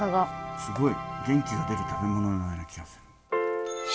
すごい元気が出る食べ物のような気がする。